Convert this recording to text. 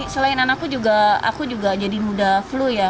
selain anakku aku juga jadi mudah flu ya